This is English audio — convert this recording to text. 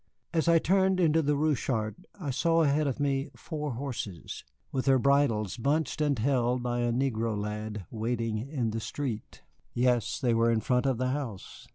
As I turned into the Rue Chartres I saw ahead of me four horses, with their bridles bunched and held by a negro lad, waiting in the street. Yes, they were in front of the house.